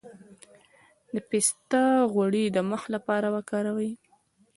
د پسته غوړي د مخ لپاره وکاروئ